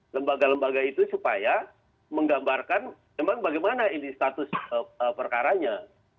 lembaga lembaga itu supaya menggambarkan memang bagaimana ini status perkaranya